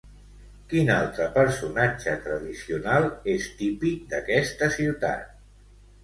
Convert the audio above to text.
Quin altre personatge tradicional és típic d'aquesta ciutat?